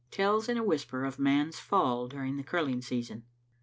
TELLS IN A WHISPER OF MAN'S FALL DURING THE GURU ING SEASON.